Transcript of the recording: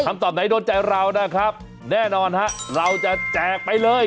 ตอบไหนโดนใจเรานะครับแน่นอนฮะเราจะแจกไปเลย